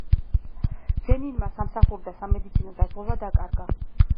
ჯენინმა სამსახური და სამედიცინო დაზღვევა დაკარგა.